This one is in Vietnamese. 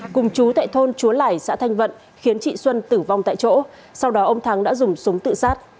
cùng chú tại thôn chúa lẻi xã thanh vận khiến chị xuân tử vong tại chỗ sau đó ông thắng đã dùng súng tự sát